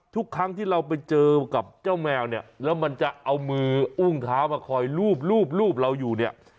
ทุกครั้งที่เราไปเจอกับเจ้าแมวเนี่ยแล้วมันจะเอามืออุ้งเท้ามาคอยรูปเราอยู่เนี่ย